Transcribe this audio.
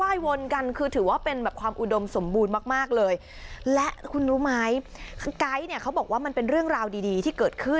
เห็นเจ้าปลาการ์ตูนเจ้าตัวนีโม้ไง